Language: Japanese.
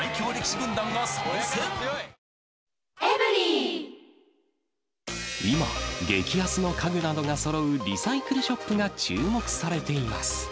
ＮＯ．１今、激安の家具などがそろうリサイクルショップが注目されています。